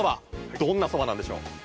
どんなそばなんでしょう。